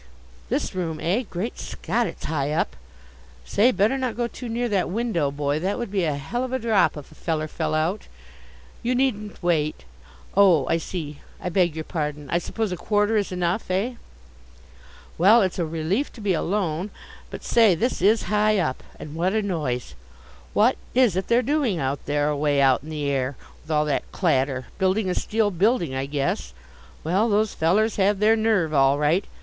This room, eh! Great Scott, it's high up. Say, better not go too near that window, boy. That would be a hell of a drop if a feller fell out. You needn't wait. Oh, I see. I beg your pardon. I suppose a quarter is enough, eh? Well, it's a relief to be alone. But say, this is high up! And what a noise! What is it they're doing out there, away out in the air, with all that clatter building a steel building, I guess. Well, those fellers have their nerve, all right.